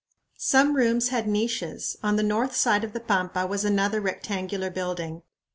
Some rooms had niches. On the north side of the pampa was another rectangular building.